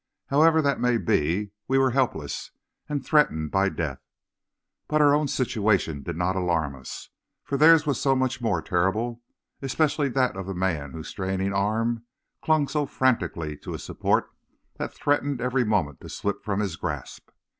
However that may be, we were helpless and threatened by death. But our own situation did not alarm us, for theirs was so much more terrible, especially that of the man whose straining arm clung so frantically to a support that threatened every moment to slip from his grasp.